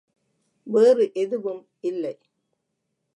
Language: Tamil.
வேறு எதுவும் இல்லை.